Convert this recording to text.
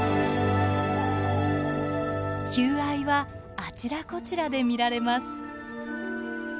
求愛はあちらこちらで見られます。